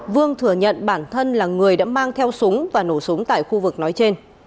vương thừa nhận bản thân là người đã mang theo súng và nổ súng tại khu vực nói trên